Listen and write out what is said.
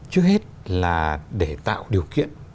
trước hết là để tạo điều kiện